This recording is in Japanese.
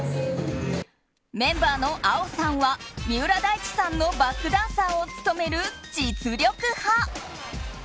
メンバーのＡＯさんは三浦大知さんのバックダンサーを務める実力派。